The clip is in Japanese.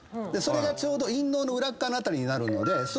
それがちょうど陰嚢の裏っかわの辺りになるので。